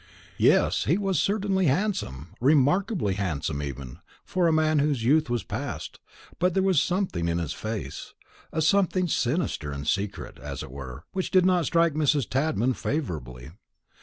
Yes, he was certainly handsome, remarkably handsome even, for a man whose youth was past; but there was something in his face, a something sinister and secret, as it were, which did not strike Mrs. Tadman favourably.